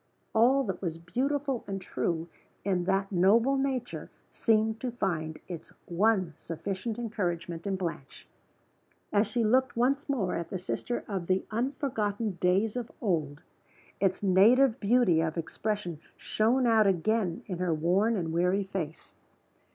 All that was beautiful and true in that noble nature seemed to find its one sufficient encouragement in Blanche. As she looked once more at the sister of the unforgotten days of old, its native beauty of expression shone out again in her worn and weary face.